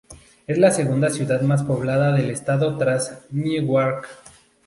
Es la segunda ciudad más poblada del estado tras Newark.